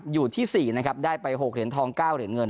อยู่ที่๔นะครับได้ไป๖เหรียญทอง๙เหรียญเงิน